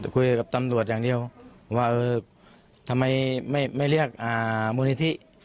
คุยกับตำรวจอย่างเดียวว่าเออทำไมไม่เรียกมูลนิธิ